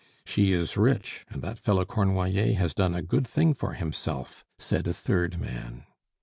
"She is rich, and that fellow Cornoiller has done a good thing for himself," said a third man.